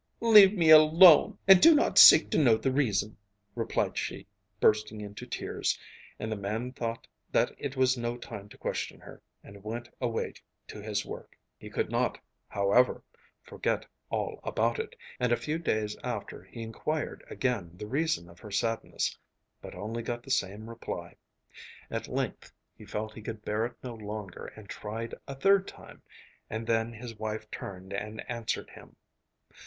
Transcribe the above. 'Leave me alone, and do not seek to know the reason,' replied she, bursting into tears, and the man thought that it was no time to question her, and went away to his work. He could not, however, forget all about it, and a few days after he inquired again the reason of her sadness, but only got the same reply. At length he felt he could bear it no longer, and tried a third time, and then his wife turned and answered him.